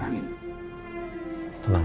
tenang reina ya